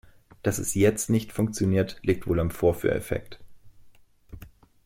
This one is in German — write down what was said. Dass es jetzt nicht funktioniert, liegt wohl am Vorführeffekt.